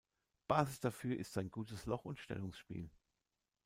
Basis dafür ist sein gutes Loch- und Stellungsspiel.